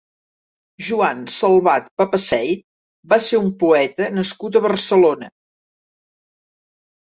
Joan Salvat-Papasseit va ser un poeta nascut a Barcelona.